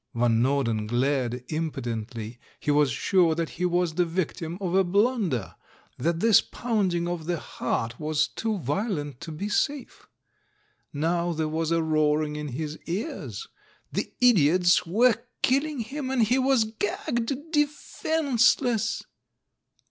Van Norden glared im potently — he was sure that he was the victim of a blunder, that this pounding of the heart was too violent to be safe. Now there was a roaring in liis ears. The idiots were killing him — and he was gagged, defenceless